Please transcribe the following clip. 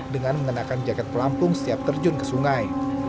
dengan mengenakan jaket pelampung setiap terjun ke sungai